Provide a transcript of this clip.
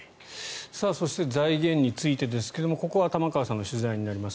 そして財源についてですがここは玉川さんの取材になります。